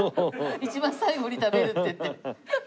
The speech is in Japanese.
一番最後に食べるって言って。